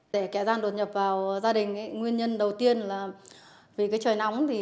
để kẻ gian đột nhập vào gia đình nguyên nhân đầu tiên là về trời nóng